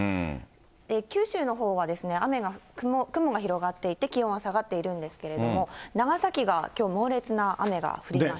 九州のほうは雨が、雲が広がっていて、気温は下がっているんですけれども、長崎がきょう猛烈な雨が降りました。